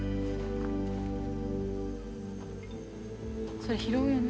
そりゃ拾うよね。